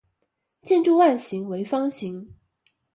建筑外形为方形。